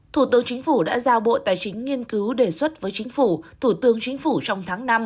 thủ tướng chính phủ đã giao bộ tài chính nghiên cứu đề xuất với chính phủ thủ tướng chính phủ trong tháng năm